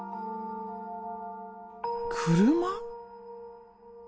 車？